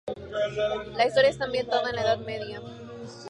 La historia está ambientada en la Edad Media.